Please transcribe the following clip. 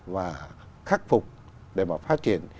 và khắc phục để mà phát triển